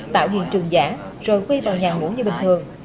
tạo hiện trường giả rồi quy vào nhà ngủ như bình thường